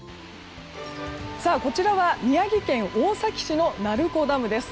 こちらは宮城県大崎市の鳴子ダムです。